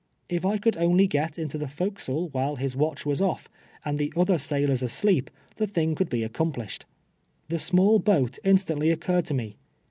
If I could only get into the fore castle while his watch was off, and the other sailors asleep, the thing could be accomplished. The small boat instantly occurred to me.